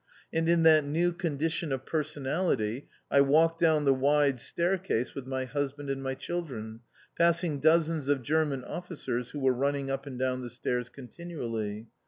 And in that new condition of personality I walked down the wide staircase with my husband and my children, passing dozens of German officers who were running up and down the stairs continually.